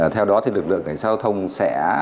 theo đó thì lực lượng cảnh giao thông sẽ